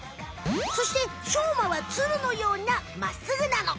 そしてしょうまはツルのようなまっすぐなの！